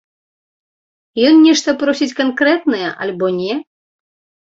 Ён нешта просіць канкрэтнае, альбо не?